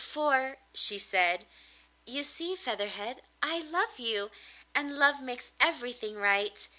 'For,' she said, 'you see, Featherhead, I love you, and love makes everything right!